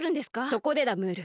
そこでだムール。